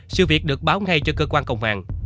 sự việc được báo ngay cho cơ quan công an